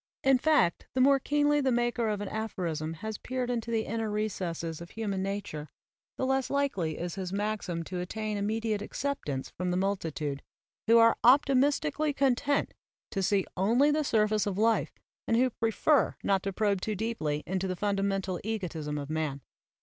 In fact, the more keenly the maker of an aphorism has peered into the inner recesses of human nature, the less likely is his maxim to attain immediate acceptance from the multitude, who are optimistically content to see only the surface of life and who prefer not to probe too deeply into the fundamental egotism of man.